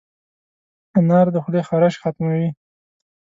انار د خولې خارش ختموي.